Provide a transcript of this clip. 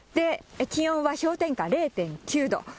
気温は氷点下０．９度。